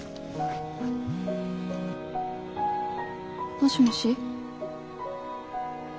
もしもし。